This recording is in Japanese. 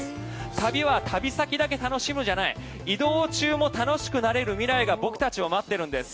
旅は旅先だけ楽しむんじゃない移動中も楽しくなれる未来が僕たちを待ってるんです。